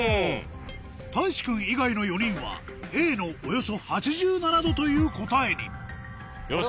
たいし君以外の４人はＡのおよそ８７℃という答えによし！